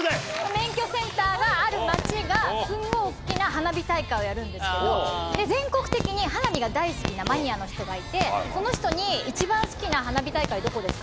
免許センターがある町がすんごい大っきな花火大会をやるんですけど全国的に花火が大好きなマニアの人がいてその人に一番好きな花火大会どこですか？